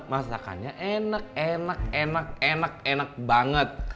masakannya enak enak enak enak enak banget